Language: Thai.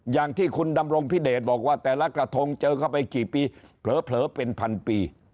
อย่างที่คุณดำรงพิเดชบอกว่าแต่ละกระทงเจอเข้าไปกี่ปีเผลอเป็นพันปี